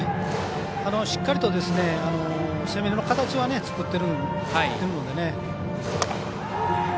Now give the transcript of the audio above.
しっかりと、攻めの形は作っているので。